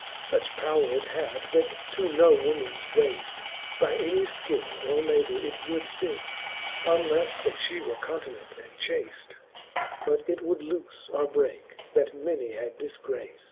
Such power it had, that to rw womans waft By any Ikill or labour it would fit, UnlelTe that fhe were continent and chaft, But it woald lofe or brcake, that many had dilgraft.